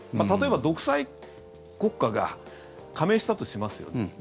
例えば、独裁国家が加盟したとしますよね。